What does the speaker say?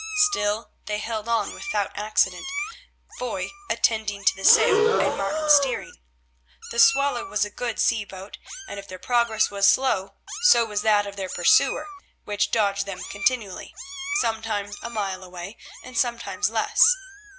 Still they held on without accident, Foy attending to the sail and Martin steering. The Swallow was a good sea boat, and if their progress was slow so was that of their pursuer, which dogged them continually, sometimes a mile away and sometimes less.